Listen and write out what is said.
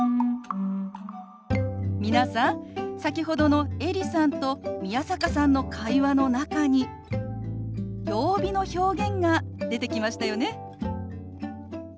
皆さん先ほどのエリさんと宮坂さんの会話の中に曜日の表現が出てきましたよね。